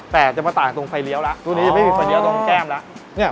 แต่จะมาต่างตรงไฟเลี้ยวแล้วตรงนี้ไม่มีไฟเลี้ยตรงแก้มแล้ว